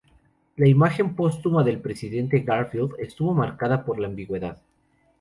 La imagen póstuma del presidente Garfield estuvo marcada por la ambigüedad.